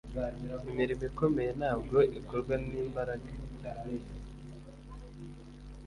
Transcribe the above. imirimo ikomeye ntabwo ikorwa n'imbaraga